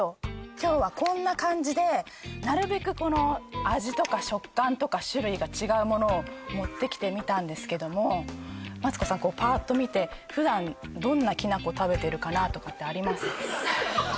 今日はこんな感じでなるべく味とか食感とか種類が違うものを持ってきてみたんですけどもマツコさんぱっと見て普段どんなきな粉食べてるかなとかってあります？